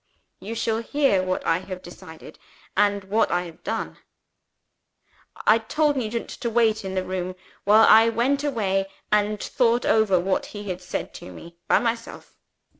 You shall hear what I have decided, and what I have done. "I told Nugent to wait in the room, while I went away, and thought over what he had said to me, by myself.